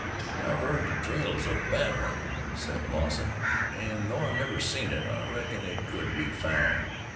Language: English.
"I've heard the trail is a bad one," said Lawson, "an' though I never seen it, I reckon it could be found.